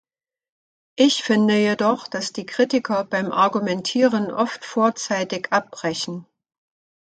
Ich finde jedoch, dass die Kritiker beim Argumentieren oft vorzeitig abbrechen.